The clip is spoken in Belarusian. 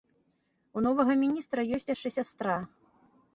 У новага міністра ёсць яшчэ сястра.